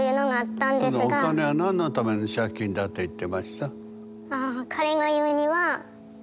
そのお金は何のための借金だって言ってました？